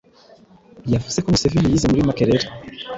yavuze ko Museveni yize muri Makerere.